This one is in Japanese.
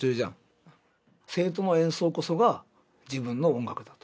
生徒の演奏こそが自分の音楽だと。